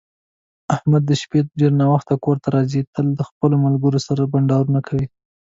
احمد د شپې ډېر ناوخته کورته راځي، تل د خپلو ملگرو سره بنډارونه کوي.